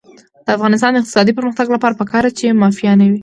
د افغانستان د اقتصادي پرمختګ لپاره پکار ده چې مافیا نه وي.